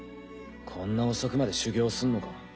こんな遅くまで修業すんのか？